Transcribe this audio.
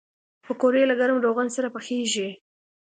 پکورې له ګرم روغن سره پخېږي